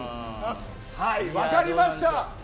分かりました。